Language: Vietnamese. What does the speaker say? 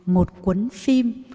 một cuốn phim